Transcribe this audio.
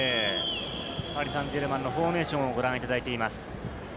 パリ・サンジェルマンのフォーメーションをご覧いただいています。